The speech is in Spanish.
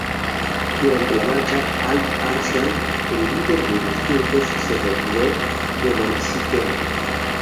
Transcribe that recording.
Durante la marcha, Alp Arslan, el líder de los turcos, se retiró de Manzikert.